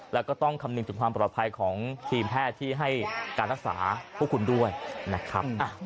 แล้วก็ต้องคำนึงถึงความปลอดภัยของทีมแพทย์ที่ให้การรักษาพวกคุณด้วยนะครับ